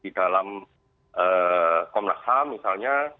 di dalam komnas ham misalnya